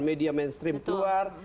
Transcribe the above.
media mainstream keluar